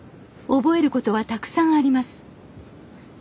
覚えることはたくさんあります